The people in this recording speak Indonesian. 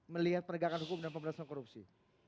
melihat penegakan hukum dan pemberantasan korupsi